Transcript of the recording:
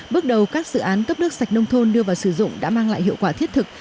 bước đầu các dự án cấp nước sạch nông thôn đưa vào sử dụng đã mang lại hiệu quả thiết thực